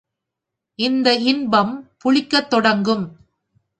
இந்த இன்பம் புளிக்கத் தொடங்கும்.